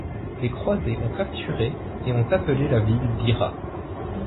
Les croisés ont capturé et ont appelé la ville Birra.